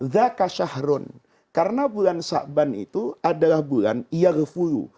zaka syahrun karena bulan syaban itu adalah bulan iyagfulu